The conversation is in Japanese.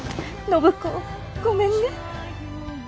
暢子ごめんね。